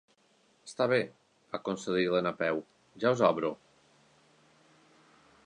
Està bé —va concedir la Napeu—, ja us obro.